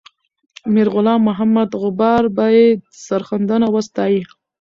میرغلام محمد غبار به یې سرښندنه وستایي.